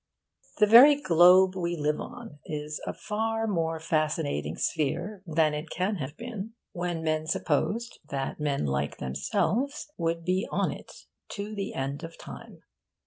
The very globe we live on is a far more fascinating sphere than it can have been when men supposed that men like themselves would be on it to the end of time.